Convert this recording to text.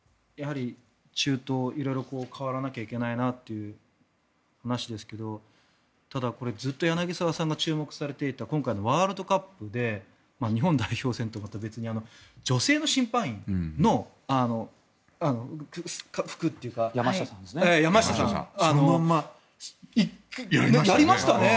中東、色々変わらなきゃいけないなという話ですがただ、ずっと柳澤さんが注目されていた今回のワールドカップで日本代表戦とは別に女性の審判員の服というかそのままやりましたね。